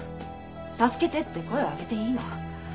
助けてって声を上げていいの。